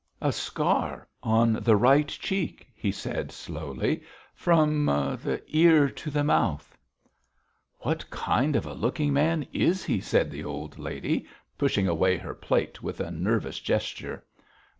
'A scar on the right cheek,' he said slowly, 'from the ear to the mouth.' 'What kind of a looking man is he?' asked the old lady, pushing away her plate with a nervous gesture.